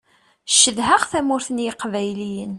Cedhaɣ tamurt n yiqbayliyen.